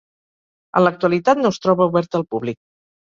En l'actualitat no es troba obert al públic.